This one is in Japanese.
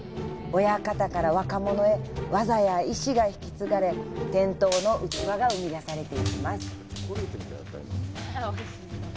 親方から若者へ技や意志が受け継がれ伝統の器が生み出されていきます。